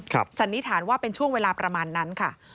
สันนิษฐานว่าเป็นช่วงเวลาประมาณนั้นค่ะ